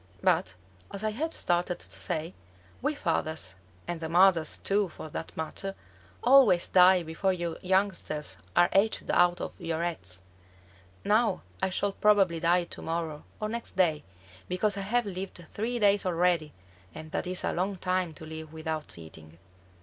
"But as I had started to say, we fathers, and the mothers too for that matter, always die before you youngsters are hatched out of your eggs. Now I shall probably die to morrow or next day, because I have lived three days already, and that is a long time to live without eating."